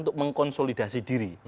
untuk mengkonsolidasi diri